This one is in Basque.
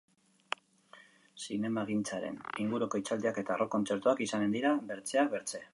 Zinemagintzaren inguruko hitzaldiak eta rock kontzertuak izanen dira, bertzeak bertze.